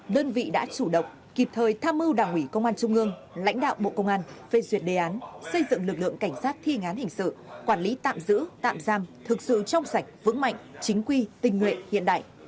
đơn vị đã chủ động kịp thời tham mưu đảng ủy công an trung ương lãnh đạo bộ công an phê duyệt đề án xây dựng lực lượng cảnh sát thi ngán hình sự quản lý tạm giữ tạm giam thực sự trong sạch vững mạnh chính quy tình nguyện hiện đại